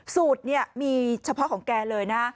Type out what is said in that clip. สูตรเนี่ยมีเฉพาะของแกเลยนะ